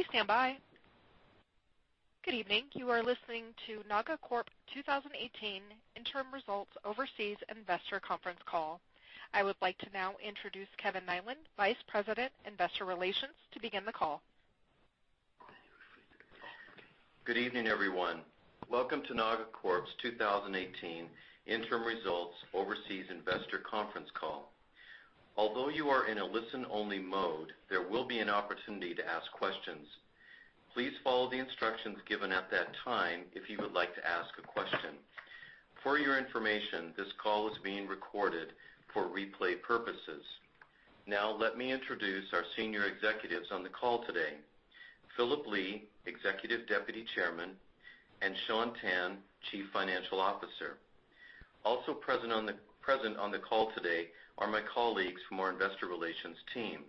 Please stand by. Good evening. You are listening to NagaCorp 2018 Interim Results Overseas Investor Conference Call. I would like to now introduce Kevin Nyland, Vice President, Investor Relations, to begin the call. Good evening, everyone. Welcome to NagaCorp's 2018 Interim Results Overseas Investor Conference Call. Although you are in a listen-only mode, there will be an opportunity to ask questions. Please follow the instructions given at that time if you would like to ask a question. For your information, this call is being recorded for replay purposes. Now, let me introduce our senior executives on the call today. Philip Lee, Executive Deputy Chairman, and Sean Tan, Chief Financial Officer. Also present on the call today are my colleagues from our investor relations team.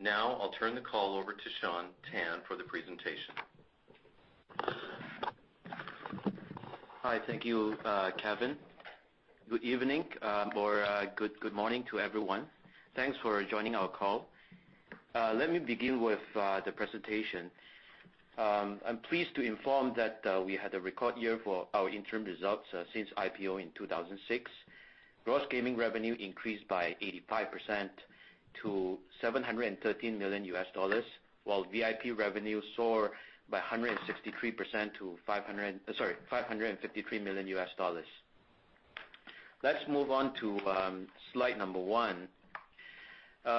Now, I'll turn the call over to Sean Tan for the presentation. Hi. Thank you, Kevin. Good evening, or good morning to everyone. Thanks for joining our call. Let me begin with the presentation. I'm pleased to inform that we had a record year for our interim results since IPO in 2006. Gross gaming revenue increased by 85% to $713 million, while VIP revenue soar by 163% to $553 million. Let's move on to slide number one. We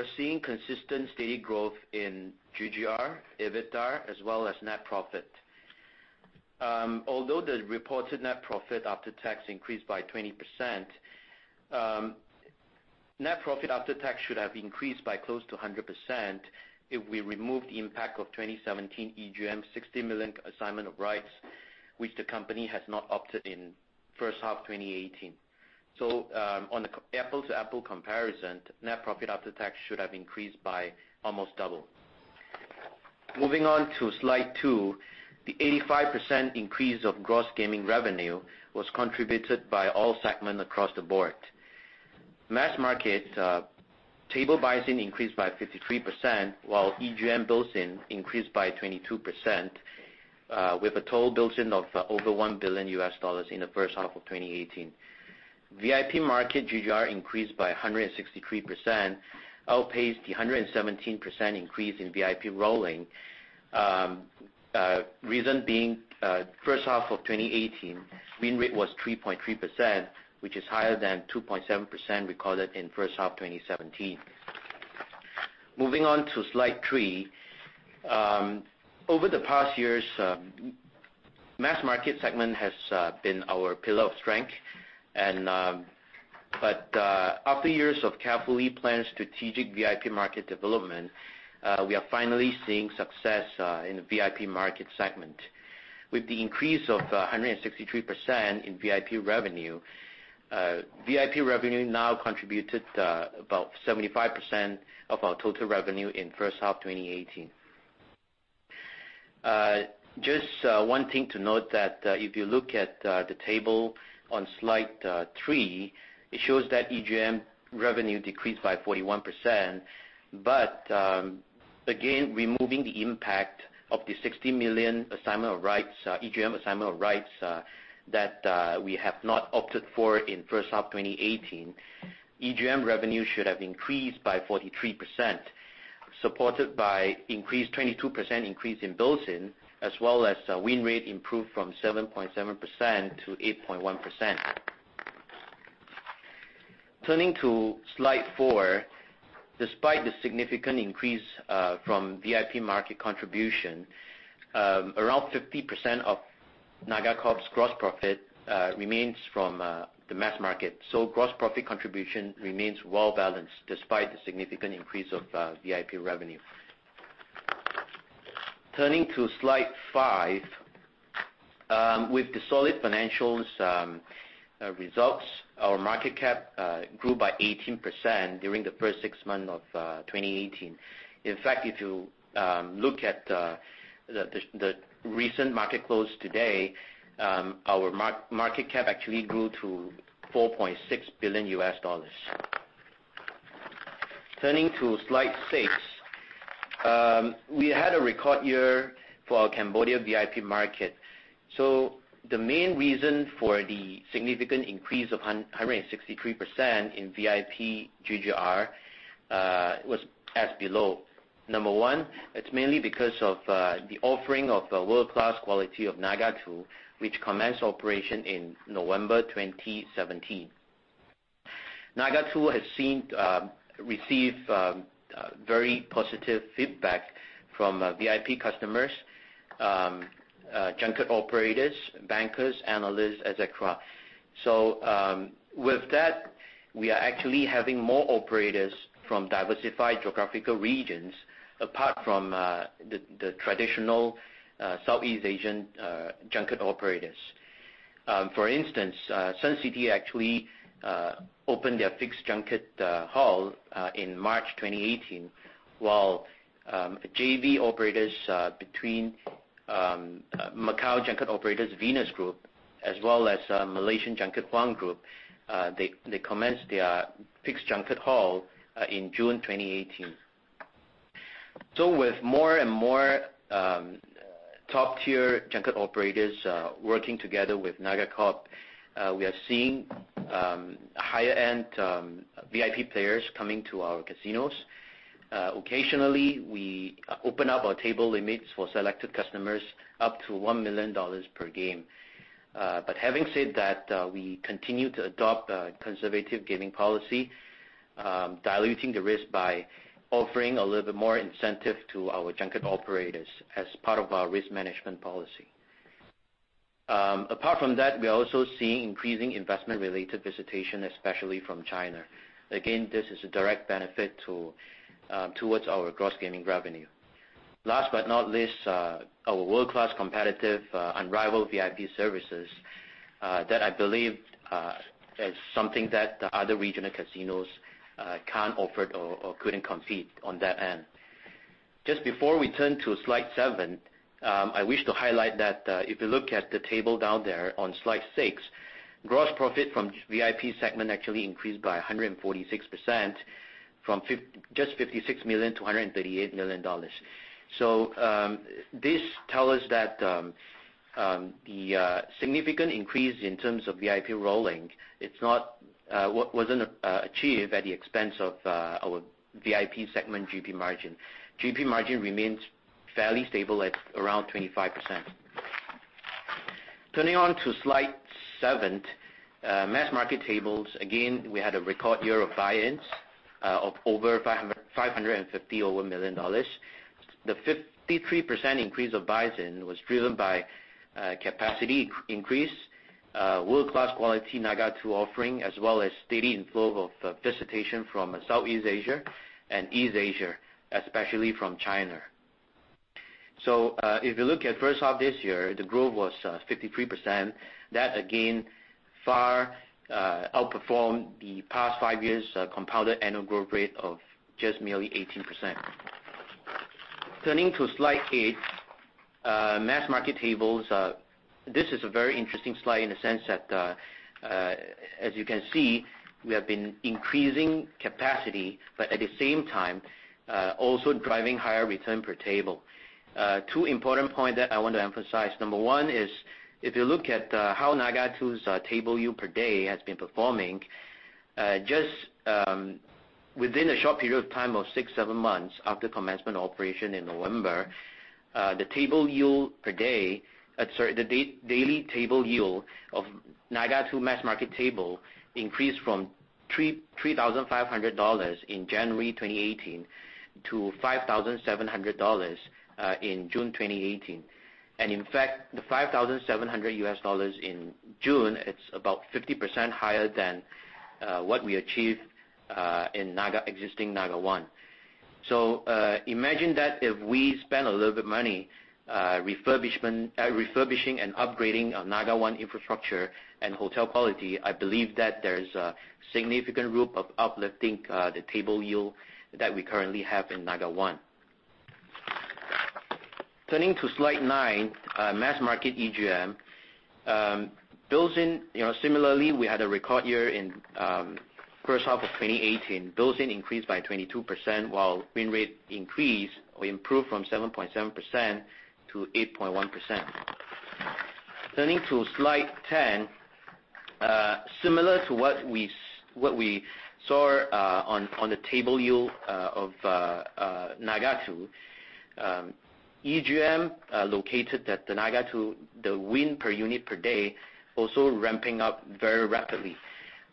are seeing consistent steady growth in GGR, EBITDA, as well as net profit. Although the reported net profit after tax increased by 20%, net profit after tax should have increased by close to 100% if we remove the impact of 2017 EGM $60 million assignment of rights, which the company has not opted in first half 2018. On the apple-to-apple comparison, net profit after tax should have increased by almost double. Moving on to slide two, the 85% increase of gross gaming revenue was contributed by all segments across the board. Mass market table buy-ins increased by 53%, while EGM buy-ins increased by 22%, with a total buy-ins of over $1 billion in the first half of 2018. VIP market GGR increased by 163%, outpaced the 117% increase in VIP rolling. Reason being, first half of 2018, win rate was 3.3%, which is higher than 2.7% recorded in first half 2017. Moving on to slide three. After years of carefully planned strategic VIP market development, we are finally seeing success in the VIP market segment. With the increase of 163% in VIP revenue, VIP revenue now contributed about 75% of our total revenue in first half 2018. Just one thing to note that if you look at the table on slide three, it shows that EGM revenue decreased by 41%. Again, removing the impact of the $60 million assignment of rights, EGM assignment of rights, that we have not opted for in first half 2018, EGM revenue should have increased by 43%, supported by increased 22% increase in buy-ins, as well as win rate improved from 7.7% to 8.1%. Turning to slide four. Despite the significant increase from VIP market contribution, around 50% of NagaCorp's gross profit remains from the mass market. Gross profit contribution remains well-balanced despite the significant increase of VIP revenue. Turning to slide five. With the solid financials results, our market cap grew by 18% during the first six months of 2018. In fact, if you look at the recent market close today, our market cap actually grew to $4.6 billion. Turning to slide six. We had a record year for our Cambodia VIP market. The main reason for the significant increase of 163% in VIP GGR, was as below. Number one, it's mainly because of the offering of world-class quality of Naga2, which commenced operation in November 2017. Naga2 has received very positive feedback from VIP customers, junket operators, bankers, analysts, et cetera. With that, we are actually having more operators from diversified geographical regions, apart from the traditional Southeast Asian junket operators. For instance, Suncity actually opened their fixed junket hall in March 2018 While JV operators between Macau junket operators Venus Group, as well as Malaysian junket Wang Group, they commenced their fixed junket hall in June 2018. With more and more top-tier junket operators working together with NagaCorp, we are seeing higher-end VIP players coming to our casinos. Occasionally, we open up our table limits for selected customers, up to $1 million per game. Having said that, we continue to adopt a conservative gaming policy, diluting the risk by offering a little bit more incentive to our junket operators as part of our risk management policy. Apart from that, we are also seeing increasing investment-related visitation, especially from China. Again, this is a direct benefit towards our gross gaming revenue. Last but not least, our world-class competitive, unrivaled VIP services, that I believe is something that the other regional casinos can't offer or couldn't compete on that end. Just before we turn to slide seven, I wish to highlight that if you look at the table down there on slide six, gross profit from VIP segment actually increased by 146%, from just $56 million-$138 million. This tells us that the significant increase in terms of VIP rolling, it wasn't achieved at the expense of our VIP segment GP margin. GP margin remains fairly stable at around 25%. Turning on to slide seven, mass market tables. Again, we had a record year of buy-ins of over $550 million. The 53% increase of buy-in was driven by capacity increase, world-class quality Naga2 offering, as well as steady inflow of visitation from Southeast Asia and East Asia, especially from China. If you look at first half this year, the growth was 53%. Again, far outperformed the past five years' compounded annual growth rate of just merely 18%. Turning to slide eight, mass market tables. This is a very interesting slide in the sense that, as you can see, we have been increasing capacity, but at the same time, also driving higher return per table. Two important points that I want to emphasize. Number one is, if you look at how Naga2's table yield per day has been performing, just within a short period of time of six, seven months after commencement operation in November, the daily table yield of Naga2 mass market table increased from $3,500 in January 2018 to $5,700 in June 2018. In fact, the $5,700 in June, it's about 50% higher than what we achieved in existing Naga1. Imagine that if we spend a little bit money refurbishing and upgrading Naga1 infrastructure and hotel quality, I believe that there is a significant room of uplifting the table yield that we currently have in Naga1. Turning to slide nine, mass market EGM. Similarly, we had a record year in first half of 2018. Buy-in increased by 22%, while win rate improved from 7.7%-8.1%. Turning to slide 10, similar to what we saw on the table yield of Naga2, EGM located at the Naga2, the win per unit per day also ramping up very rapidly.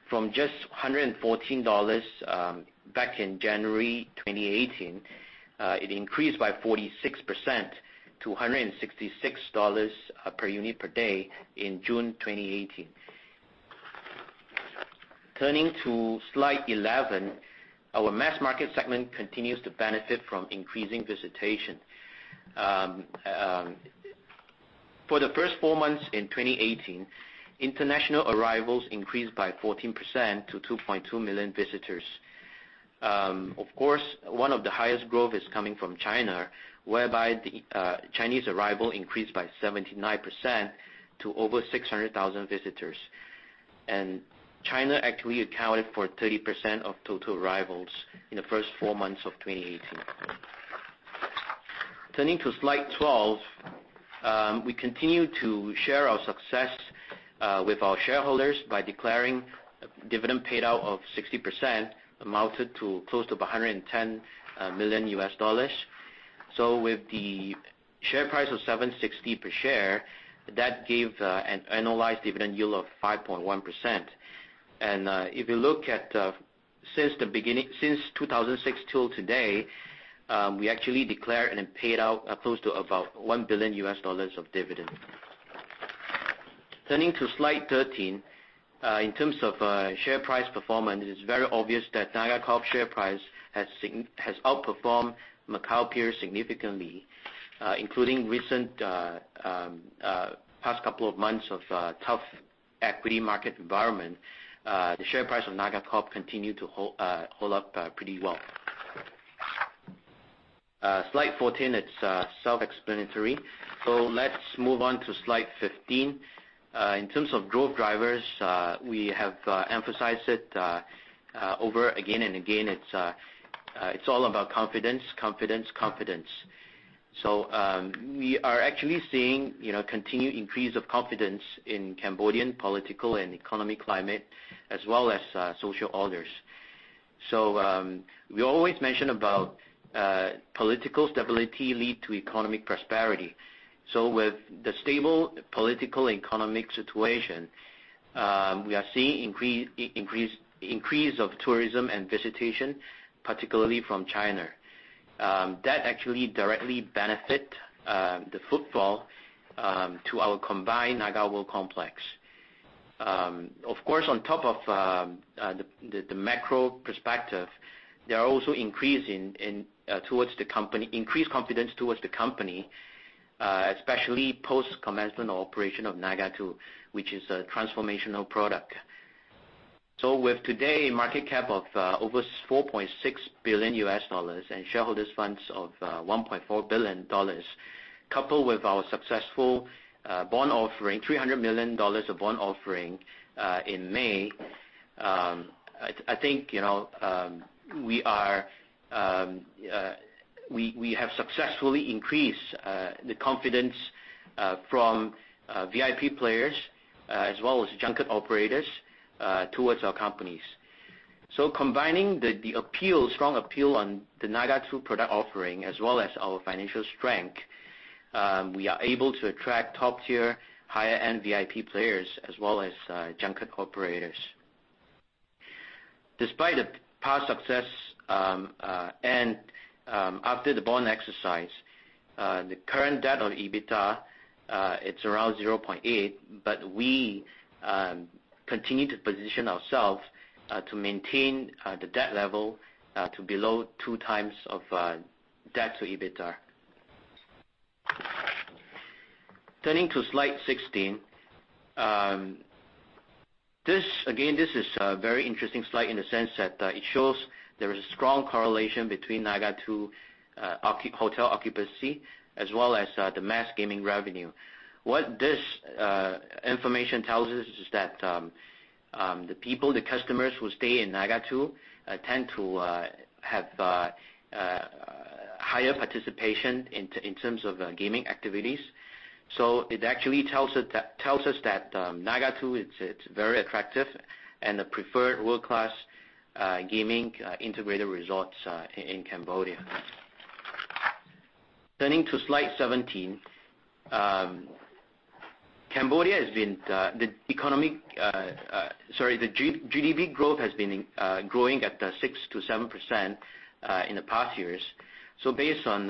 From just $114 back in January 2018, it increased by 46% to $166 per unit per day in June 2018. Turning to slide 11, our mass market segment continues to benefit from increasing visitation. For the first four months in 2018, international arrivals increased by 14% to 2.2 million visitors. Of course, one of the highest growth is coming from China, whereby the Chinese arrival increased by 79% to over 600,000 visitors. China actually accounted for 30% of total arrivals in the first four months of 2018. Turning to slide 12, we continue to share our success with our shareholders by declaring dividend paid out of 60%, amounted to close to $110 million. With the share price of $7.60 per share, that gave an annualized dividend yield of 5.1%. If you look at since 2006 till today, we actually declared and paid out close to about $1 billion of dividend. Turning to slide 13, in terms of share price performance, it is very obvious that NagaCorp share price has outperformed Macau peers significantly, including recent past couple of months of tough equity market environment, the share price of NagaCorp continued to hold up pretty well. Slide 14, it's self-explanatory. Let's move on to slide 15. In terms of growth drivers, we have emphasized it over again and again. It's all about confidence. We are actually seeing continued increase of confidence in Cambodian political and economic climate, as well as social orders. We always mention about political stability lead to economic prosperity. With the stable political and economic situation, we are seeing increase of tourism and visitation, particularly from China. That actually directly benefit the footfall, to our combined NagaWorld complex. Of course, on top of the macro perspective, there are also increased confidence towards the company, especially post-commencement operation of Naga2, which is a transformational product. With today, market cap of over $4.6 billion, and shareholders funds of $1.4 billion, coupled with our successful bond offering, $300 million bond offering, in May, I think we have successfully increased the confidence from VIP players, as well as junket operators, towards our companies. Combining the strong appeal on the Naga2 product offering, as well as our financial strength, we are able to attract top-tier, higher-end VIP players as well as junket operators. Despite the past success, and after the bond exercise, the current debt-to-EBITDA, it's around 0.8, but we continue to position ourselves, to maintain the debt level, to below two times of debt-to-EBITDA. Turning to slide 16. Again, this is a very interesting slide in the sense that it shows there is a strong correlation between Naga2 hotel occupancy as well as the mass gaming revenue. What this information tells us is that the people, the customers who stay in Naga2, tend to have higher participation in terms of gaming activities. It actually tells us that Naga2 is very attractive and the preferred world-class gaming integrated resort in Cambodia. Turning to slide 17. The GDP growth has been growing at 6%-7% in the past years. Based on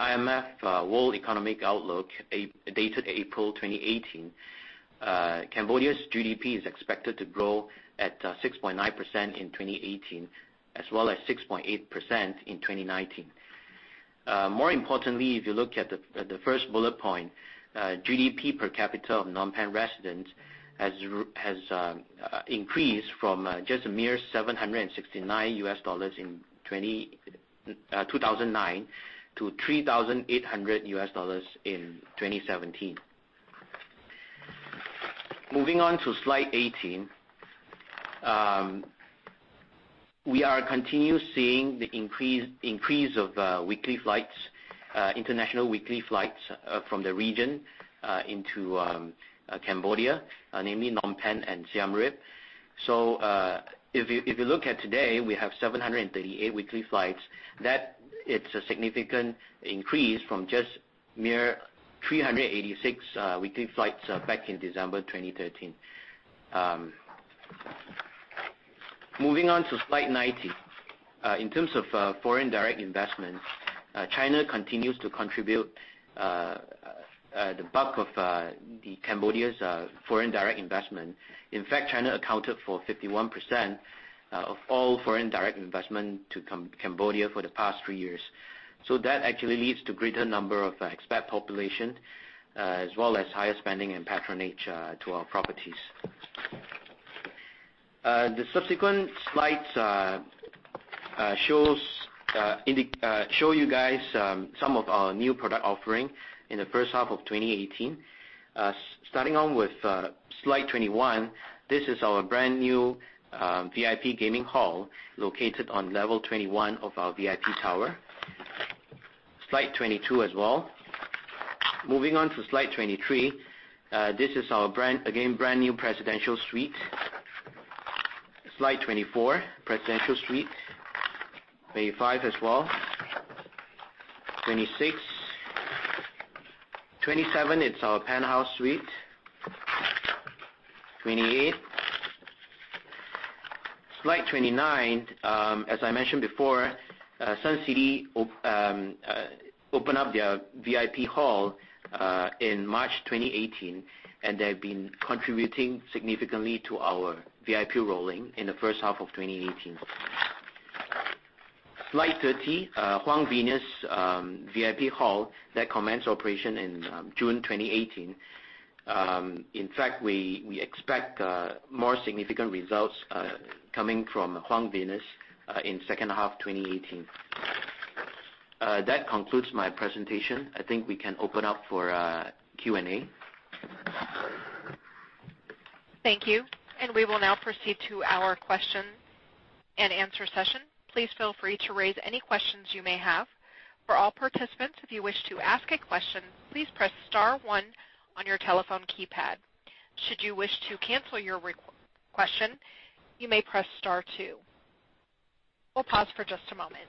IMF World Economic Outlook, dated April 2018, Cambodia's GDP is expected to grow at 6.9% in 2018, as well as 6.8% in 2019. More importantly, if you look at the first bullet point, GDP per capita of Phnom Penh residents has increased from just a mere $769 in 2009 to $3,800 in 2017. Moving on to slide 18. We are continue seeing the increase of weekly flights, international weekly flights from the region, into Cambodia, namely Phnom Penh and Siem Reap. If you look at today, we have 738 weekly flights. That it's a significant increase from just mere 386 weekly flights back in December 2013. Moving on to slide 19. In terms of foreign direct investment, China continues to contribute the bulk of Cambodia's foreign direct investment. In fact, China accounted for 51% of all foreign direct investment to Cambodia for the past three years. That actually leads to greater number of expat population, as well as higher spending and patronage to our properties. The subsequent slides show you guys some of our new product offering in the first half of 2018. Starting on with slide 21, this is our brand-new VIP gaming hall located on level 21 of our VIP tower. Slide 22 as well. Moving on to slide 23. This is our, again, brand-new presidential suite. Slide 24, presidential suite. 25 as well. 26. 27, it's our penthouse suite. 28. Slide 29, as I mentioned before, Suncity opened up their VIP hall, in March 2018, and they've been contributing significantly to our VIP rolling in the first half of 2018. Slide 30, Huang Venus VIP hall that commenced operation in June 2018. In fact, we expect more significant results coming from Huang Venus in second half 2018. That concludes my presentation. I think we can open up for Q&A. Thank you. We will now proceed to our question-and-answer session. Please feel free to raise any questions you may have. For all participants, if you wish to ask a question, please press star one on your telephone keypad. Should you wish to cancel your question, you may press star two. We'll pause for just a moment.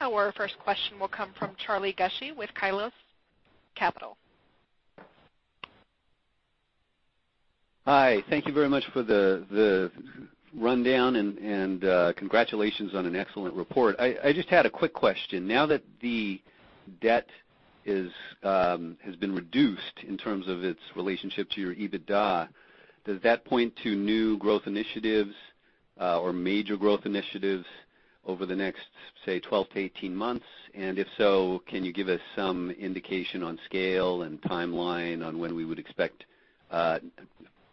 Our first question will come from Charlie Gushee with Kyklos Capital. Hi. Thank you very much for the rundown, congratulations on an excellent report. I just had a quick question. Now that the debt has been reduced in terms of its relationship to your EBITDA, does that point to new growth initiatives, or major growth initiatives over the next, say, 12-18 months? If so, can you give us some indication on scale and timeline on when we would expect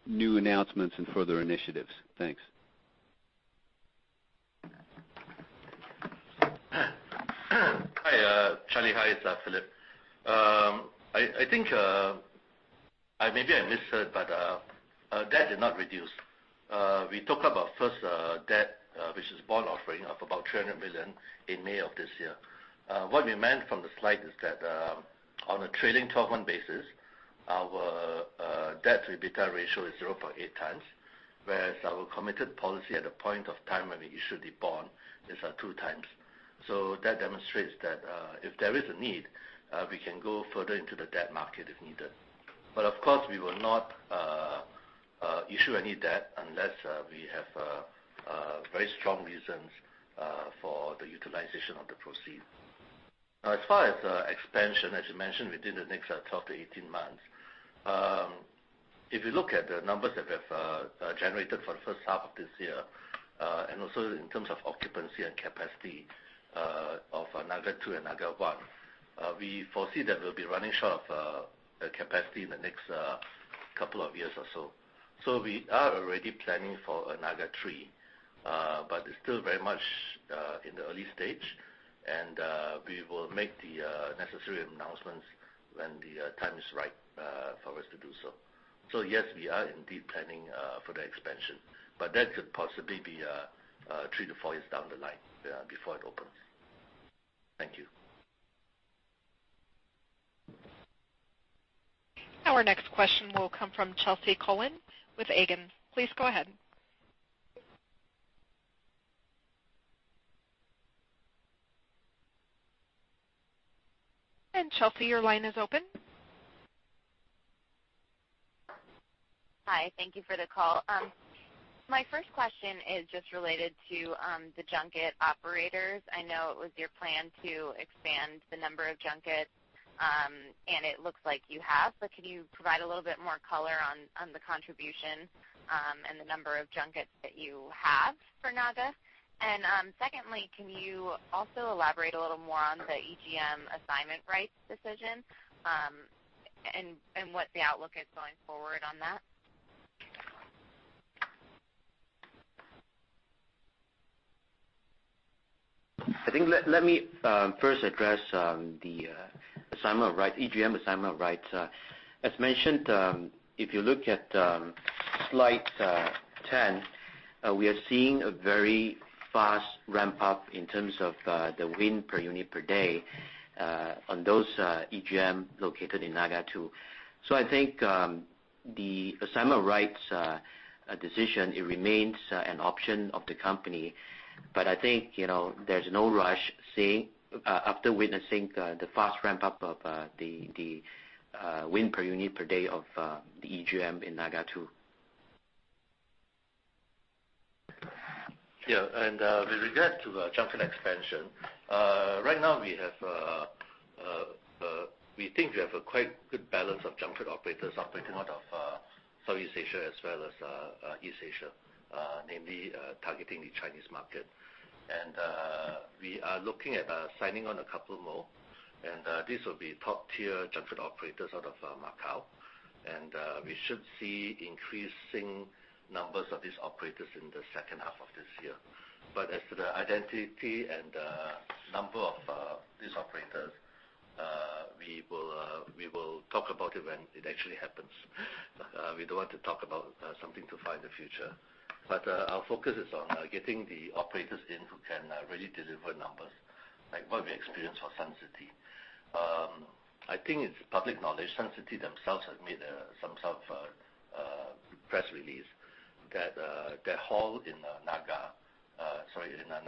new announcements and further initiatives? Thanks. Hi, Charlie. Hi, it's Philip. I think maybe I misheard, our debt did not reduce. We talk about first debt, which is bond offering of about $300 million in May of this year. What we meant from the slide is that, on a trailing 12-month basis, our debt-to-EBITDA ratio is 0.8 times. Whereas our committed policy at the point of time when we issued the bond is at two times. That demonstrates that if there is a need, we can go further into the debt market if needed. Of course, we will not issue any debt unless we have very strong reasons for the utilization of the proceeds. As far as expansion, as you mentioned, within the next 12-18 months. If you look at the numbers that we have generated for the first half of this year, and also in terms of occupancy and capacity of Naga 2 and Naga 1, we foresee that we'll be running short of capacity in the next couple of years or so. We are already planning for Naga 3, but it's still very much in the early stage, and we will make the necessary announcements when the time is right for us to do so. Yes, we are indeed planning for the expansion. That could possibly be three to four years down the line before it opens. Thank you. Our next question will come from Chelsea Cohen with Egan. Please go ahead. Chelsea, your line is open. Hi, thank you for the call. My first question is just related to the junket operators. I know it was your plan to expand the number of junkets, and it looks like you have. Could you provide a little bit more color on the contribution, and the number of junkets that you have for Naga? Secondly, can you also elaborate a little more on the EGM assignment rights decision, and what the outlook is going forward on that? I think let me first address the EGM assignment rights. As mentioned, if you look at slide 10, we are seeing a very fast ramp-up in terms of the win per unit per day on those EGM located in Naga 2. I think the assignment rights decision, it remains an option of the company, but I think there's no rush after witnessing the fast ramp-up of the win per unit per day of the EGM in Naga 2. With regard to junket expansion, right now we think we have a quite good balance of junket operators operating. out of Southeast Asia as well as East Asia, namely targeting the Chinese market. We are looking at signing on a couple more. These will be top-tier junket operators out of Macau. We should see increasing numbers of these operators in the second half of this year. As to the identity and number of these operators, we will talk about it when it actually happens. We don't want to talk about something too far in the future. Our focus is on getting the operators in who can really deliver numbers, like what we experienced for Suncity Group. I think it's public knowledge, Suncity Group themselves have made some sort of press release that their hall in Naga 2,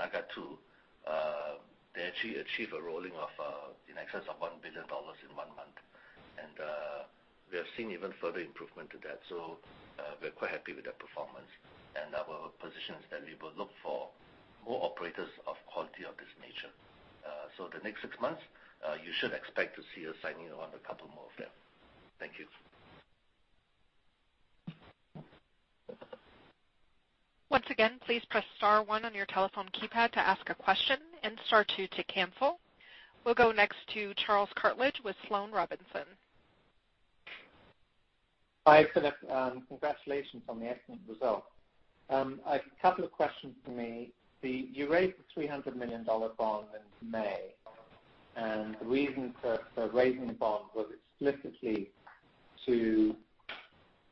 they actually achieve a rolling in excess of $1 billion in one month. We have seen even further improvement to that. We're quite happy with that performance, and our position is that we will look for more operators of quality of this nature. The next six months, you should expect to see us signing on a couple more of them. Thank you. Once again, please press star one on your telephone keypad to ask a question and star two to cancel. We'll go next to Charles Cartledge with Sloane Robinson. Hi, Philip. Congratulations on the excellent result. A couple of questions for me. You raised the $300 million bond in May, the reason for raising the bond was explicitly to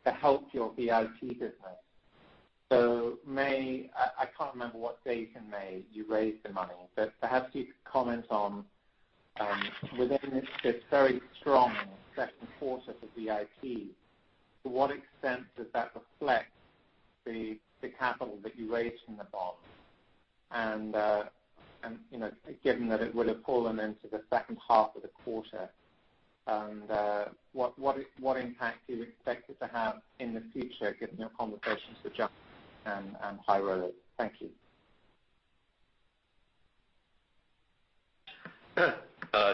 help your VIP business. May, I can't remember what date in May you raised the money, but perhaps you could comment on within this very strong second quarter for VIP, to what extent does that reflect the capital that you raised in the bond? Given that it would have fallen into the second half of the quarter, what impact do you expect it to have in the future given your conversations with junket and high rollers? Thank you.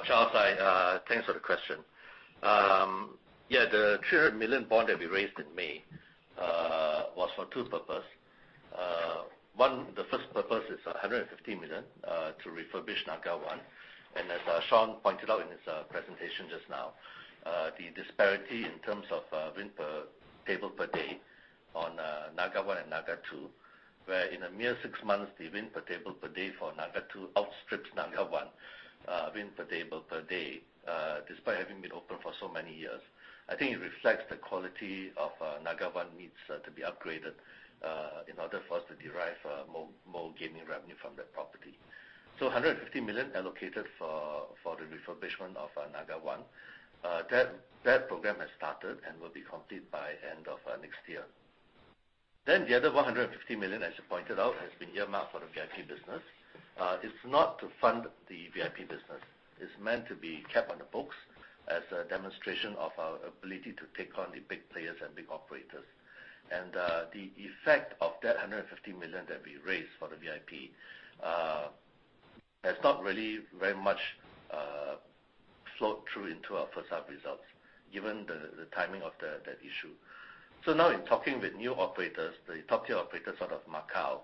Charles, thanks for the question. The $300 million bond that we raised in May was for two purpose. One, the first purpose is $150 million, to refurbish Naga1. As Sean pointed out in his presentation just now, the disparity in terms of win per table per day on Naga1 and Naga2, where in a mere six months, the win per table per day for Naga2 outstrips Naga1 win per table per day, despite having been open for so many years. I think it reflects the quality of Naga1 needs to be upgraded in order for us to derive more gaming revenue from that property. $150 million allocated for the refurbishment of Naga1. That program has started and will be complete by end of next year. The other $150 million, as you pointed out, has been earmarked for the VIP business. It's not to fund the VIP business. It's meant to be kept on the books as a demonstration of our ability to take on the big players and big operators. The effect of that $150 million that we raised for the VIP, has not really very much flowed through into our first half results, given the timing of that issue. Now in talking with new operators, the top tier operators out of Macau,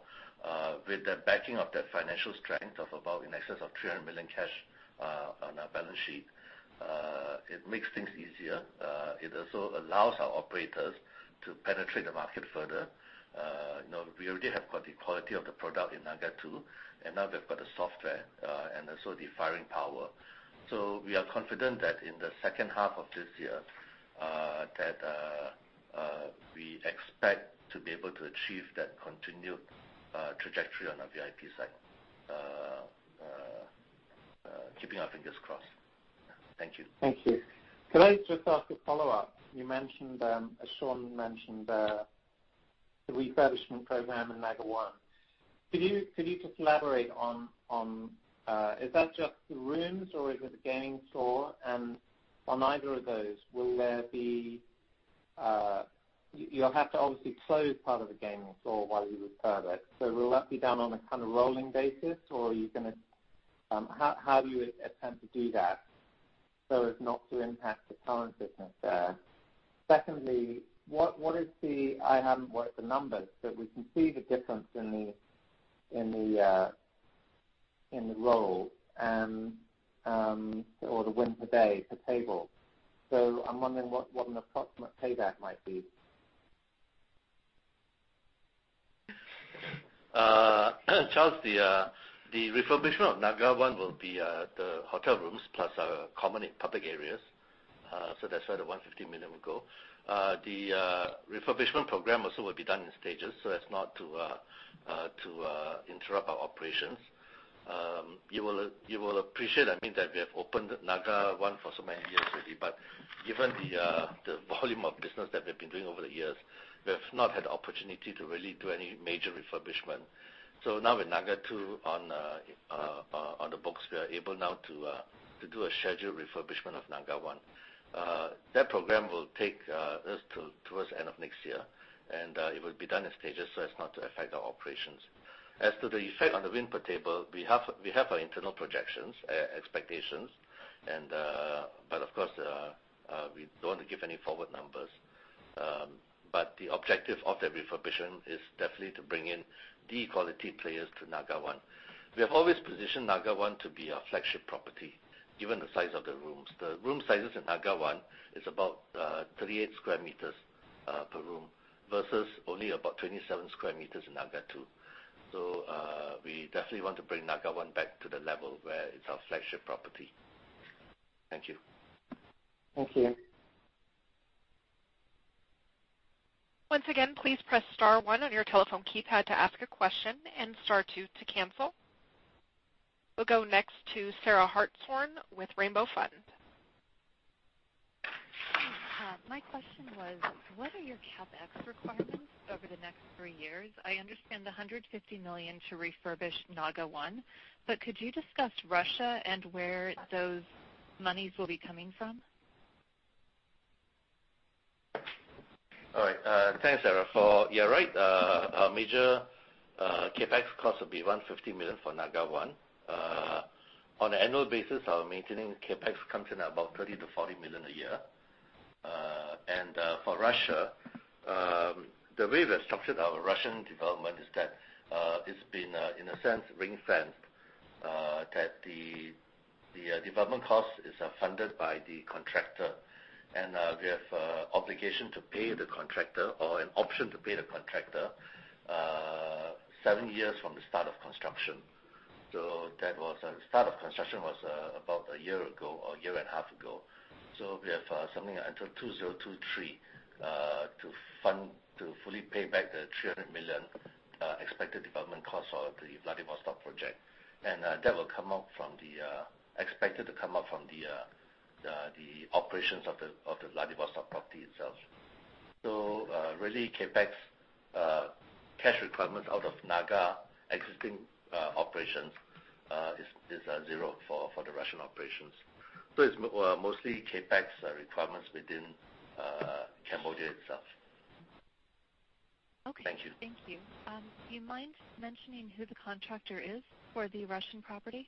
with the backing of that financial strength of about in excess of $300 million cash on our balance sheet, it makes things easier. It also allows our operators to penetrate the market further. We already have got the quality of the product in Naga2, and now they've got the software, and also the firing power. We are confident that in the second half of this year, that we expect to be able to achieve that continued trajectory on the VIP side. Keeping our fingers crossed. Thank you. Thank you. Could I just ask a follow-up? You mentioned, as Sean mentioned, the refurbishment program in Naga1. Could you just elaborate on, is that just the rooms, or is it the gaming floor? On either of those, you'll have to obviously close part of the gaming floor while you refurb it. Will that be done on a rolling basis, or how do you intend to do that so as not to impact the current business there? Secondly, I haven't worked the numbers, but we can see the difference in the roll or the win per day per table. I'm wondering what an approximate payback might be. Charles, the refurbishment of Naga 1 will be the hotel rooms plus our common and public areas. That's where the $150 million will go. The refurbishment program also will be done in stages so as not to interrupt our operations. You will appreciate, I mean, that we have opened Naga 1 for so many years already, but given the volume of business that we've been doing over the years, we have not had the opportunity to really do any major refurbishment. Now with Naga 2 on the books, we are able now to do a scheduled refurbishment of Naga 1. That program will take us to towards the end of next year, and it will be done in stages so as not to affect our operations. As to the effect on the win per table, we have our internal projections, expectations. Of course, we don't give any forward numbers. The objective of that refurbishment is definitely to bring in the quality players to Naga 1. We have always positioned Naga 1 to be our flagship property, given the size of the rooms. The room sizes in Naga 1 is about 38 sq m per room versus only about 27 sq m in Naga 2. We definitely want to bring Naga 1 back to the level where it's our flagship property. Thank you. Thank you. Once again, please press star 1 on your telephone keypad to ask a question and star 2 to cancel. We'll go next to Sarah Hartshorn with Rainbow Fund. My question was, what are your CapEx requirements over the next three years? I understand the $150 million to refurbish Naga 1, but could you discuss Russia and where those monies will be coming from? All right. Thanks, Sarah. You're right. Our major CapEx cost will be $150 million for Naga 1. On an annual basis, our maintaining CapEx comes in about $30 million to $40 million a year. For Russia, the way we structured our Russian development is that it's been, in a sense, ring-fenced. That the development cost is funded by the contractor, and we have an obligation to pay the contractor or an option to pay the contractor seven years from the start of construction. The start of construction was about a year ago or a year and a half ago. We have something until 2023 to fully pay back the $300 million expected development cost of the Vladivostok project. That is expected to come up from the operations of the Vladivostok property itself. Really, CapEx cash requirements out of Naga existing operations is zero for the Russian operations. It's mostly CapEx requirements within Cambodia itself. Okay. Thank you. Thank you. Do you mind mentioning who the contractor is for the Russian property?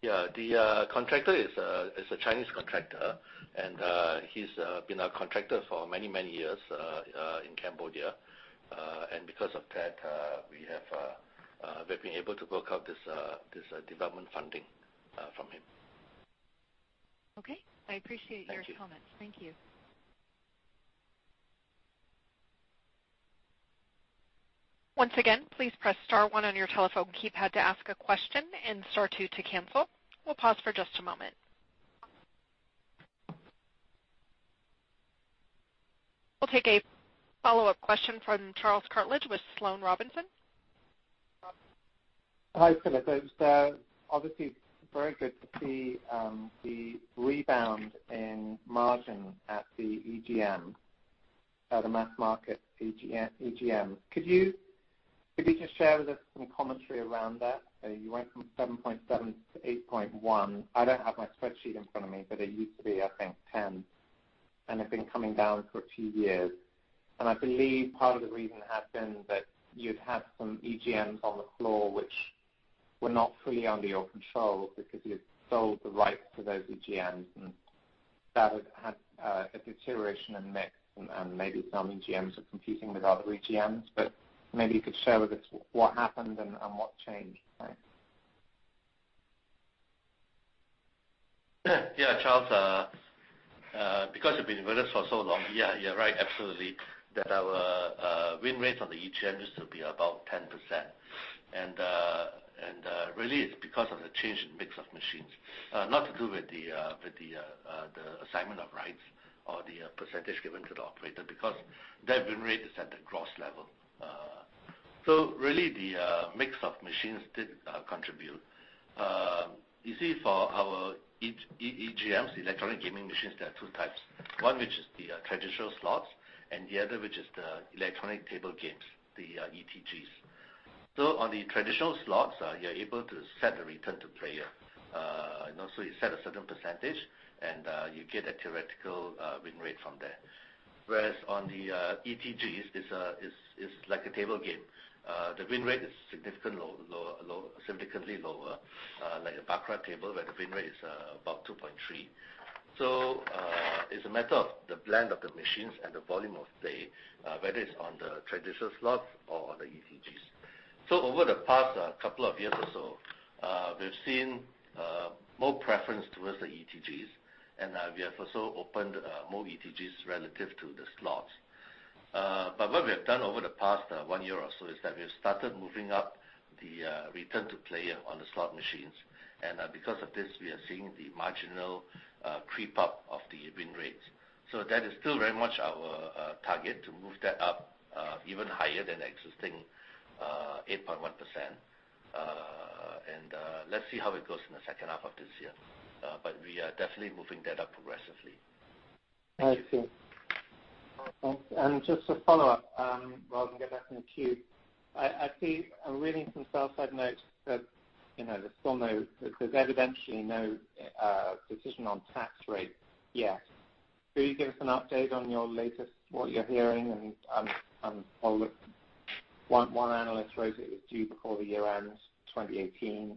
Yeah. The contractor is a Chinese contractor, he's been our contractor for many, many years in Cambodia. Because of that, we've been able to work out this development funding from him. Okay. I appreciate your comments. Thank you. Thank you. Once again, please press star one on your telephone keypad to ask a question and star two to cancel. We'll pause for just a moment. We'll take a follow-up question from Charles Cartledge with Sloane Robinson. Hi, Philip. It's obviously very good to see the rebound in margin at the EGM, the mass market EGM. Could you just share with us some commentary around that? You went from 7.7% to 8.1%. I don't have my spreadsheet in front of me, but it used to be, I think, 10%, and it's been coming down for two years. I believe part of the reason has been that you'd had some EGMs on the floor which were not fully under your control because you'd sold the rights to those EGMs, and that had a deterioration in mix and maybe some EGMs are competing with other EGMs. Maybe you could share with us what happened and what changed. Thanks. Charles, because you've been with us for so long, you're right, absolutely. That our win rate on the EGMs used to be about 10%. Really, it's because of the change in mix of machines. Not to do with the assignment of rights or the percentage given to the operator, because that win rate is at the gross level. Really, the mix of machines did contribute. You see, for our EGMs, electronic gaming machines, there are 2 types. One, which is the traditional slots, and the other, which is the Electronic Table Games, the ETGs. On the traditional slots, you're able to set the Return to Player. You set a certain percentage, and you get a theoretical win rate from there. Whereas on the ETGs, it's like a table game. The win rate is significantly lower, like a baccarat table, where the win rate is about 2.3. It's a matter of the blend of the machines and the volume of play, whether it's on the traditional slots or the ETGs. Over the past couple of years or so, we've seen more preference towards the ETGs, and we have also opened more ETGs relative to the slots. What we have done over the past one year or so is that we have started moving up the Return to Player on the slot machines. Because of this, we are seeing the marginal creep up of the win rates. That is still very much our target, to move that up even higher than existing 8.1%. Let's see how it goes in the second half of this year. We are definitely moving that up progressively. I see. Just a follow-up, rather than go back in the queue. I'm reading some sell side notes that there's evidentially no decision on tax rate yet. Could you give us an update on your latest, what you're hearing? One analyst wrote that it's due before the year ends 2018.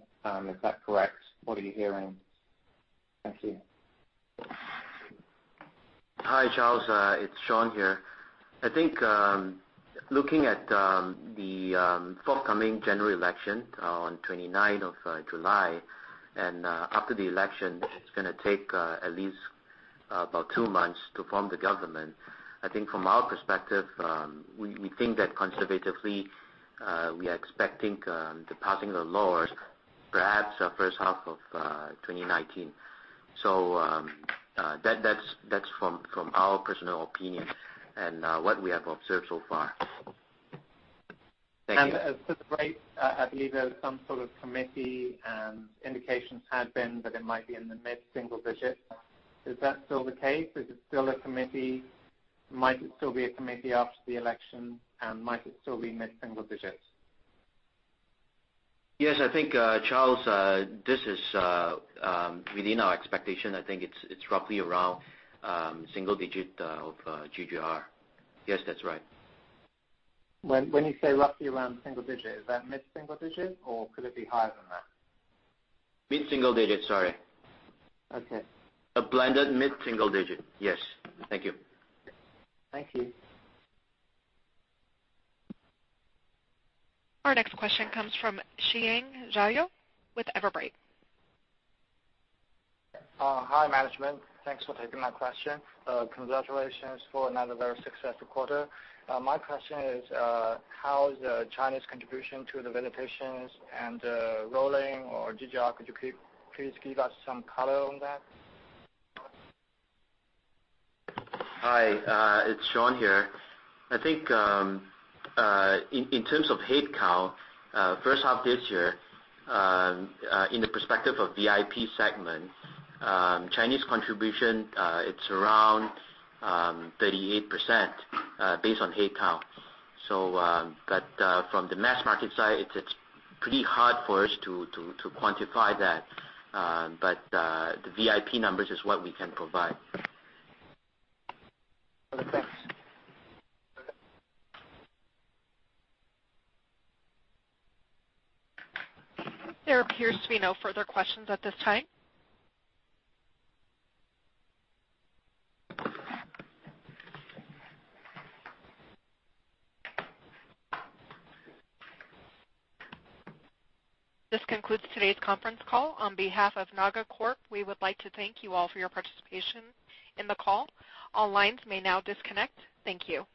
Is that correct? What are you hearing? Thank you. Hi, Charles. It's Sean here. I think looking at the forthcoming general election on 29th of July, after the election, it's going to take at least about two months to form the government. I think from our perspective, we think that conservatively, we are expecting the passing of laws perhaps the first half of 2019. That's from our personal opinion and what we have observed so far. Thank you. As to the rate, I believe there was some sort of committee and indications had been that it might be in the mid-single digit. Is that still the case? Is it still a committee? Might it still be a committee after the election, and might it still be mid-single digits? Yes, I think, Charles, this is within our expectation. I think it's roughly around single digit of GGR. Yes, that's right. When you say roughly around single digit, is that mid-single digit, or could it be higher than that? Mid-single digit. Sorry. Okay. A blended mid-single digit. Yes. Thank you. Thank you. Our next question comes from Xiying Zhaoyou with Everbright. Hi, management. Thanks for taking my question. Congratulations for another very successful quarter. My question is, how is China's contribution to the visitations and rolling or GGR? Could you please give us some color on that? Hi, it's Sean here. I think, in terms of head count, first half this year, in the perspective of VIP segment, Chinese contribution, it's around 38%, based on head count. From the mass market side, it's pretty hard for us to quantify that. The VIP numbers is what we can provide. Okay, thanks. There appears to be no further questions at this time. This concludes today's conference call. On behalf of NagaCorp, we would like to thank you all for your participation in the call. All lines may now disconnect. Thank you.